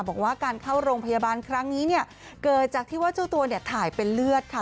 บอกว่าการเข้าโรงพยาบาลครั้งนี้เนี่ยเกิดจากที่ว่าเจ้าตัวเนี่ยถ่ายเป็นเลือดค่ะ